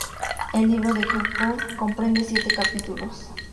El libro de Jacob comprende siete capítulos.